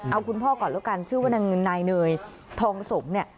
เอาคุณพ่อก่อนแล้วกันชื่อว่านายเนยทองสมเนี่ย